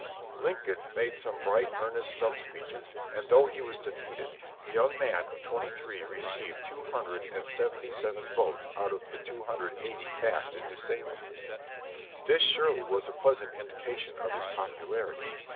Lincoln made some bright, earnest stump speeches, and though he was defeated, the young man of twenty three received two hundred and seventy seven votes out of the two hundred and eighty cast in New Salem. This surely was a pleasant indication of his popularity.